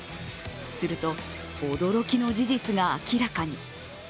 すると、驚きの事実が明らかに。